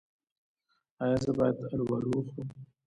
ایا زه باید الوبالو وخورم؟